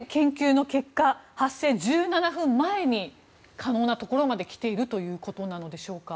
それで研究の結果発生１７分前に観測することが可能なところまできているということなんでしょうか。